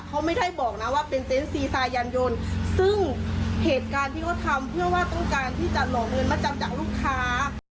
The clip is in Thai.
เขาไม่ได้บอกนะว่าเป็นเต็นต์ซีซายันยนต์ซึ่งเหตุการณ์ที่เขาทำเพื่อว่าต้องการที่จะหลอกเงินมาจำจากลูกค้า